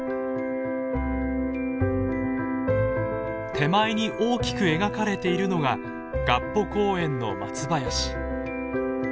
手前に大きく描かれているのが合浦公園の松林。